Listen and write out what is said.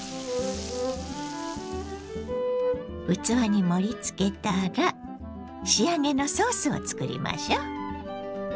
器に盛りつけたら仕上げのソースを作りましょ。